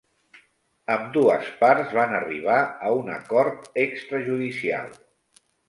Ambdues parts van arribar a un acord extrajudicial.